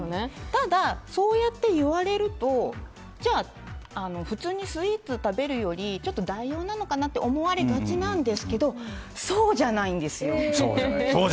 ただ、そうやって言われるとじゃあ普通にスイーツ食べるより代用なのかなって思われがちなんですけどそうじゃないんですよ。